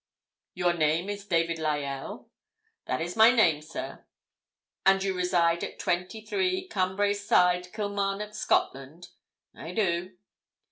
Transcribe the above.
"Your name is David Lyell?" "That is my name, sir." "And you reside at 23, Cumbrae Side, Kilmarnock, Scotland?" "I do."